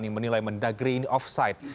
yang menilai mendagri ini offside